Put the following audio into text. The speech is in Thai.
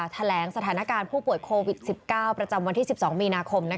แถลงสถานการณ์ผู้ป่วยโควิด๑๙ประจำวันที่๑๒มีนาคม